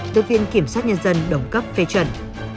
được viện kiểm sát nhân dân đồng cấp phê chuẩn